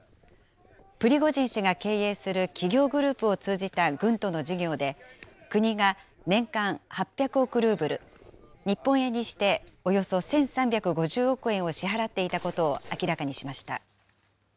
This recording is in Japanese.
プリゴジン氏が経営する企業グループを通じた軍との事業で、国が年間８００億ルーブル、日本円にしておよそ１３５０億円を支払っていたことを明らかにしました。